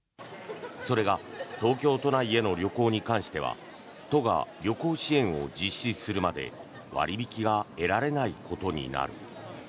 それが東京都内への旅行に関しては都が旅行支援を実施するまで割引が得られないことになる。